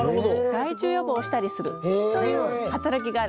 害虫予防をしたりするという働きがあるんです。